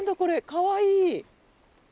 かわいい。